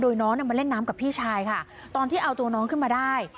โดยน้องมาเล่นน้ำกับพี่ชายค่ะตอนที่เอาตัวน้องขึ้นมาได้